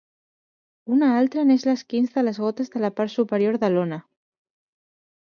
Una altra n'és l'esquinç de les gotes de la part superior de l'ona.